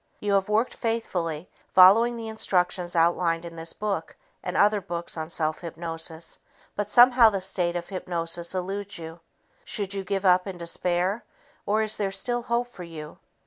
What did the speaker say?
You have worked faithfully following the instructions outlined in this book and other books on self hypnosis, but somehow the state of hypnosis eludes you. Should you give up in despair, or is there still hope for you?